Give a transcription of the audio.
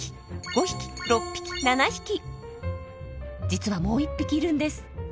実はもう１匹いるんです。